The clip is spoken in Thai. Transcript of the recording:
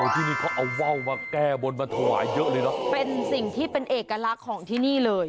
ที่นี่เขาเอาว่าวมาแก้บนมาถวายเยอะเลยเนอะเป็นสิ่งที่เป็นเอกลักษณ์ของที่นี่เลย